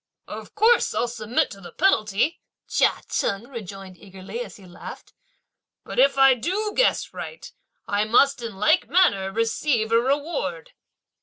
"Of course I'll submit to the penalty," Chia Cheng rejoined eagerly, as he laughed, "but if I do guess right, I must in like manner receive a reward!"